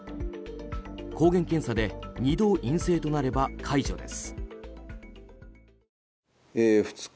抗原検査で２度陰性となれば解除です。